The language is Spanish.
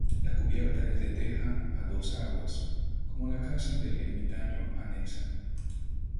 La cubierta es de teja a dos aguas, como la casa del ermitaño anexa.